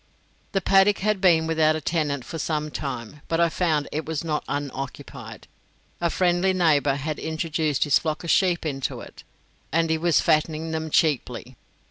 The paddock had been without a tenant for some time, but I found it was not unoccupied. A friendly neighbour had introduced his flock of sheep into it, and he was fattening them cheaply.